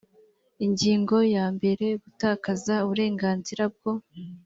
ingingo ya mbere gutakaza uburenganzira bwo